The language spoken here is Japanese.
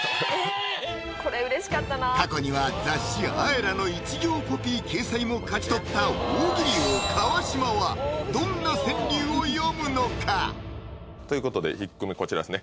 これうれしかったな過去には雑誌「ＡＥＲＡ」の一行コピー掲載も勝ち取った大喜利王・川島はどんな川柳を詠むのか⁉ということで１句目こちらですね